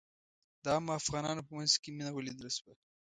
د عامو افغانانو په منځ کې مينه ولیدل شوه.